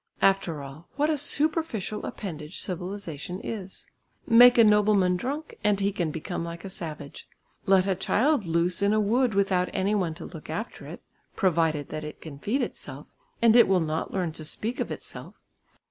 After all, what a superficial appendage civilisation is! Make a nobleman drunk and he can become like a savage; let a child loose in a wood without any one to look after it (provided that it can feed itself) and it will not learn to speak of itself.